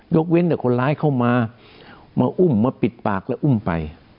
เว้นแต่คนร้ายเข้ามามาอุ้มมาปิดปากแล้วอุ้มไป